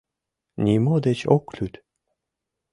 Нимо деч ок лӱд!